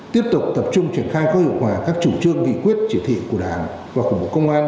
tiếp tục tập trung truyền khai có hiệu quả các chủ trương nghị quyết chỉ thị của đảng và khủng bố công an